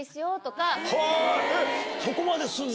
そこまでするの？